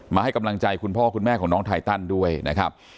ให้กำลังใจคุณพ่อคุณแม่ของน้องไทตันด้วยนะครับ